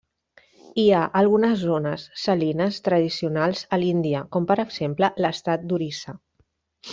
Hi ha algunes zones salines tradicionals a l'Índia, com per exemple l'estat d'Orissa.